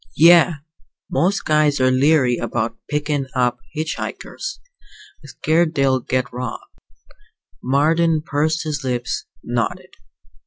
"Yeah. Most guys are leery about pickin' up hitch hikers. Scared they'll get robbed." Marden pursed his lips, nodded.